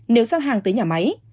nếu giao hàng tới nhà máy